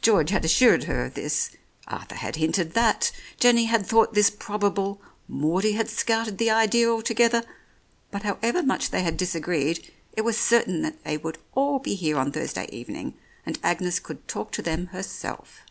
George had assured her of this, Arthur had hinted that, Jenny had thought this probable, Maudie had scouted the idea altogether, but however much they had disagreed, it was certain that they would all be here on Thursday evening, and Agnes could talk to them herself.